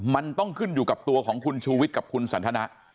มันต้องขึ้นอยู่กับตัวของคุณชูวิทย์กับคุณสันทนะ